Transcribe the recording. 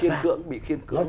khiến cưỡng bị khiến cưỡng